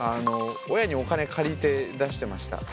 親にお金借りて出してました。